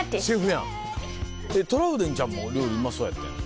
トラウデンちゃんも料理うまそうやったやん。